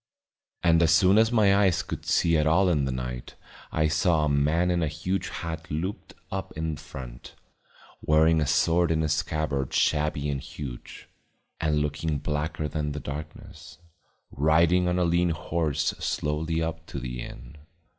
And as soon as my eyes could see at all in the night I saw a man in a huge hat looped up in front, wearing a sword in a scabbard shabby and huge, and looking blacker than the darkness, riding on a lean horse slowly up to the inn.